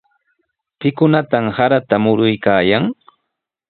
¿Pikunataq sarata muruykaayan?